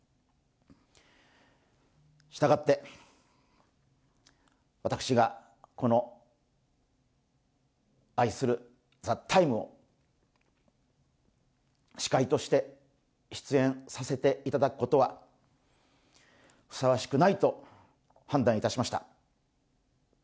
したがって、私がこの愛する「ＴＨＥＴＩＭＥ，」を司会として出演させていただくことはふさわしくないと判断しました。